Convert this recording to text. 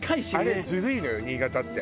あれずるいのよ新潟って。